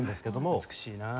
美しいなあ。